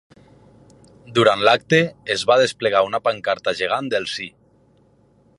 Durant l’acte, es va desplegar una pancarta gegant del sí.